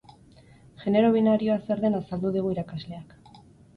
Genero binarioa zer den azaldu digu irakasleak.